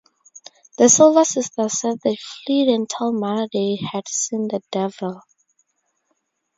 The Silva sisters said they fled and told mother they had seen the "devil".